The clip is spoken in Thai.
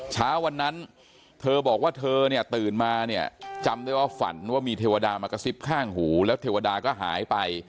เช้าวันนั้นเธอบอกว่าเธอเนี่ยตื่นมาเนี่ยจำได้ว่าฝันว่ามีเทวดามากระซิบข้างหูแล้วเทวดาก็หายไป